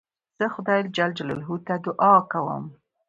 زه خدای جل جلاله ته دؤعا کوم.